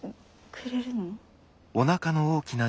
くれるの？